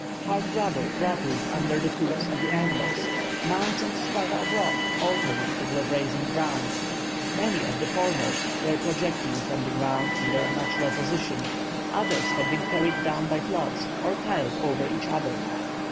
Hard gravel rattled under the hoofs of the animals; mounds, and strata of rock alternated with rising ground. Many of the former were projecting from the ground in their natural position, others had been carried down by floods, or piled over each other.